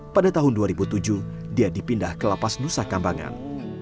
pada tahun dua ribu tujuh dia dipindah ke lapas nusa kambangan